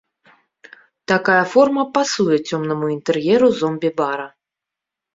Такая форма пасуе цёмнаму інтэр'еру зомбі-бара.